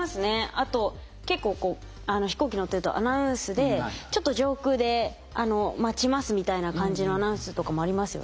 あと結構こう飛行機乗ってるとアナウンスで「ちょっと上空で待ちます」みたいな感じのアナウンスとかもありますよね。